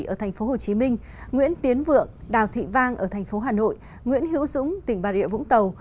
ở tp hcm nguyễn tiến vượng đào thị vang ở tp hcm nguyễn hiễu dũng tỉnh bà rịa vũng tàu